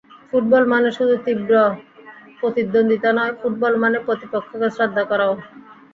Football মানে শুধু তীব্র প্রতিদ্বন্দ্বিতা নয়, ফুটবল মানে প্রতিপক্ষকে শ্রদ্ধা করাও।